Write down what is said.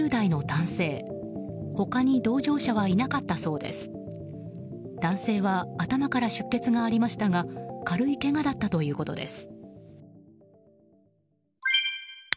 男性は頭から出血がありましたが軽いけがだったということです。